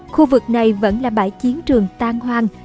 khu vực này vẫn là bãi chiến trường tan hoang